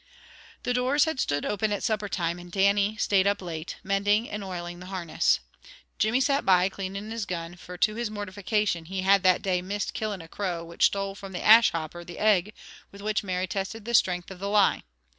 The doors had stood open at supper time, and Dannie staid up late, mending and oiling the harness. Jimmy sat by cleaning his gun, for to his mortification he had that day missed killing a crow which stole from the ash hopper the egg with which Mary tested the strength of the lye.